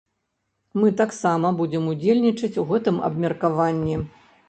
Мы таксама будзем удзельнічаць у гэтым абмеркаванні.